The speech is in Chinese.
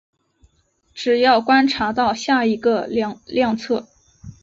只要观察到下一个量测。